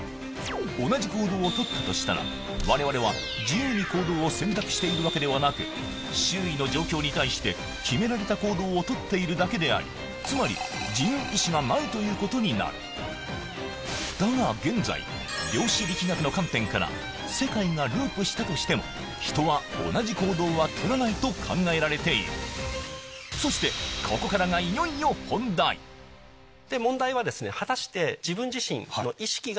同じ行動をとったとしたら我々は自由に行動を選択しているわけではなく周囲の状況に対して決められた行動をとっているだけでありつまりということになるだが現在量子力学の観点から世界がループしたとしても人は同じ行動はとらないと考えられているそしていよいよ問題はですね果たして。